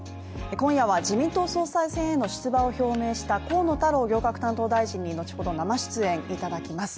今夜は自民党総裁選への出馬を表明した河野太郎行革担当大臣に後ほど生出演いただきます。